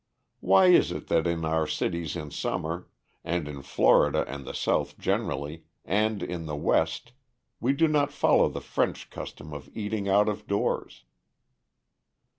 Why is it that in our cities in summer, and in Florida and the South generally, and in the West, we do not follow the French custom of eating out of doors?